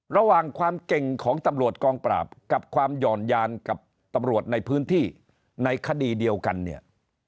ระหว่างความเก่งของตำรวจกองปราบกับความหย่อนยานกับตำรวจในพื้นที่ในคดีเดียวกันเนี่ย